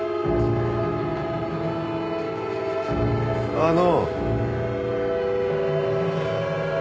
あの。